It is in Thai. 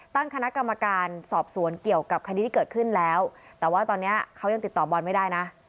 ตั้งคณะกรรมการสอบสวนเกี่ยวกับคดีที่เกิดขึ้นแล้วแต่ว่าตอนนี้เขายังติดต่อบอลไม่ได้นะ